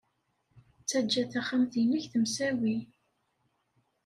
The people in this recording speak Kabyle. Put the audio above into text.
Ttajja taxxamt-nnek temsawi.